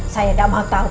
saya tidak mau tahu kamu